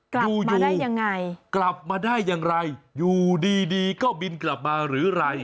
อยู่อยู่ได้ยังไงกลับมาได้อย่างไรอยู่ดีดีก็บินกลับมาหรือไร